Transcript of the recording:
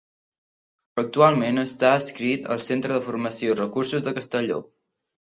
Actualment està adscrit al Centre de Formació i Recursos de Castelló.